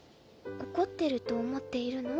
怒ってると思っているの？